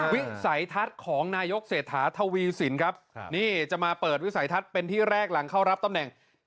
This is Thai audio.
วิสัยทัศน์ของนายกเศรษฐาทวีสินครับนี่จะมาเปิดวิสัยทัศน์เป็นที่แรกหลังเข้ารับตำแหน่ง